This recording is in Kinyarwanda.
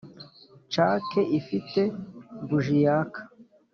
cake ifite buji yaka,